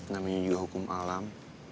namanya juga hukum alam